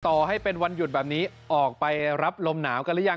ต่อให้เป็นวันหยุดแบบนี้ออกไปรับลมหนาวกันหรือยัง